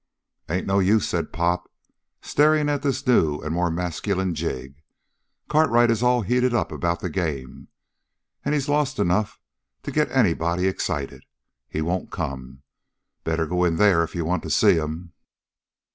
"Ain't no use," said Pop, staring at this new and more masculine Jig. "Cartwright is all heated up about the game. And he's lost enough to get anybody excited. He won't come. Better go in there if you want to see him."